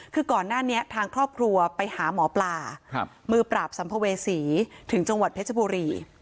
คือก่อนหน้านี้ทางครอบครัวไปหาหมอปลามือปราบสัมภเวษีถึงจังหวัดเพชรบุรี